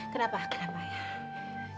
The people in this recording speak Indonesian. kenapa kenapa ayah